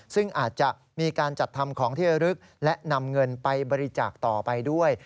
ซึ่งอาจจะมีการจัดทำของที่ระลึกและนำเงินไปบริจาคต่อไปด้วย